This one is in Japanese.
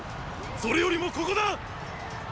それよりもここだ！